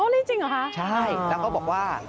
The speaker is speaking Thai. อ๋อนี่จริงเหรอคะอ๋อใช่แล้วก็บอกว่า